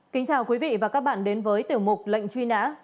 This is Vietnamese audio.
kính chào quý vị và các bạn đến với tiểu mục lệnh truy nã